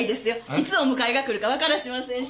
いつお迎えが来るか分からしませんし。